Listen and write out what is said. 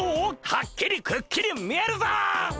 はっきりくっきり見えるぞっ！